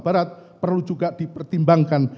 barat perlu juga dipertimbangkan